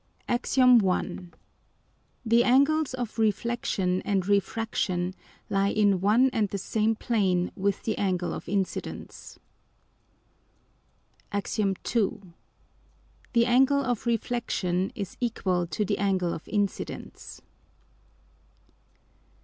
_ AX. I. The Angles of Reflexion and Refraction, lie in one and the same Plane with the Angle of Incidence. AX. II. _The Angle of Reflexion is equal to the Angle of Incidence.